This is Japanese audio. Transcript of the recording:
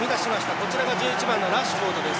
こちらが１１番のラッシュフォードです。